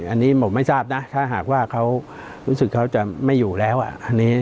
อันนี้ผมไม่ทราบนะถ้าหากว่าเขารู้สึกเขาจะไม่อยู่แล้วอ่ะ